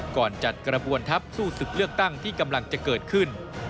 จัดกระบวนทัพสู้ศึกเลือกตั้งที่กำลังจะเกิดขึ้น